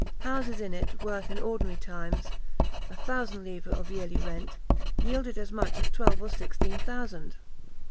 Houses in it, worth, in ordinary times, a thousand livres of yearly rent, yielded as much as twelve or sixteen thousand.